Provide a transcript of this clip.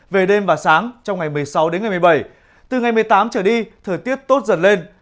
về đêm và sáng trong ngày một mươi sáu đến ngày một mươi bảy từ ngày một mươi tám trở đi thời tiết tốt dần lên